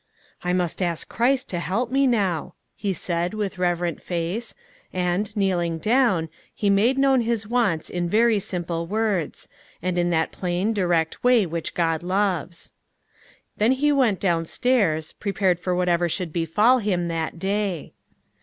"I must ask Christ to help me now," he said, with reverent face; and, kneeling down, he made known his wants in very simple words, and in that plain, direct way which God loves. Then he went down stairs, prepared for whatever should befall him that day.